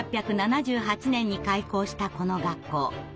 １８７８年に開校したこの学校。